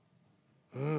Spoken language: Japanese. うん。